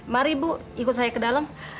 mari bu ikut saya ke dalam